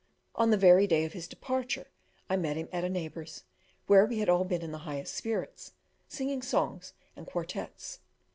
On the very day of his departure, I met him at a neighbour's, where we had all been in the highest spirits, singing songs and quartettes.